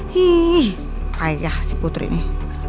hih ayah si putri ini